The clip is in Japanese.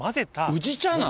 宇治茶なの？